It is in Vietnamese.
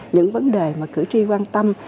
những vấn đề mà cử tri quan tâm